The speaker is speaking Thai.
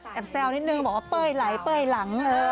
แซวนิดนึงบอกว่าเป้ยไหลเป้ยหลัง